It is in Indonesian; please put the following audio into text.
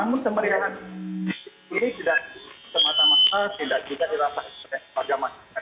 namun kemarin ini tidak semata mata tidak juga dilakukan